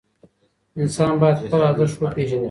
انسان باید خپل ارزښت وپېژني.